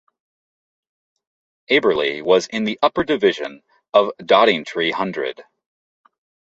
Abberley was in the upper division of Doddingtree Hundred.